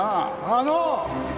あの！